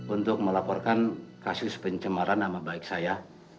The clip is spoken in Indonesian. untuk melaporkan kasus pencemaran nama baik saya